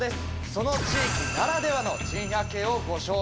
その地域ならではの珍百景をご紹介します。